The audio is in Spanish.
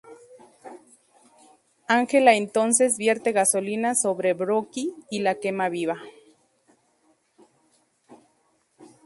Angela entonces vierte gasolina sobre Brooke y la quema viva.